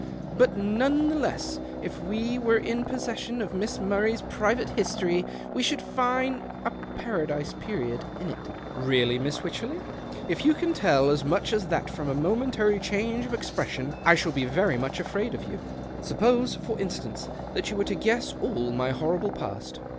But none the less if we were in pos session of Miss Murray's private history, we should fine a paradise period in it." " Really, Miss Wycherley ? If you can tell as much as that from a momentary change of expression, I shall be very much afraid of you. Suppose, for instance, that you were to guess all my horrible past."